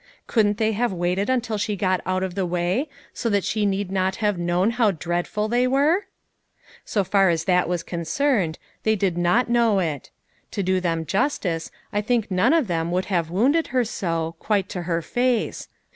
Couldn't they have waited until she got out of the way, so that she need not have known how dreadful they were ? So far as that was concerned, they did not know it. To do them justice, I think none of them would have wounded her so, quite to her face.